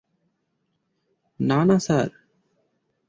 না, না স্যার।